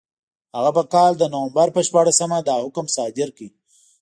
هغه په کال د نومبر په شپاړسمه دا حکم صادر کړ.